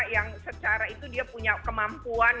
yang secara itu dia punya kemampuan